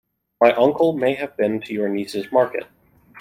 My uncle may have been to your niece's market.